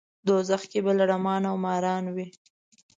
دوزخ کې به لړمان او ماران وي.